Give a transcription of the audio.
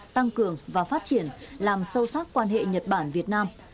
tăng cường và phát triển làm sâu sắc quan hệ nhật bản việt nam